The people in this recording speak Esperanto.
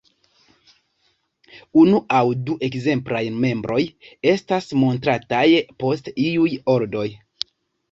Unu aŭ du ekzemplaj membroj estas montrataj post iuj ordoj.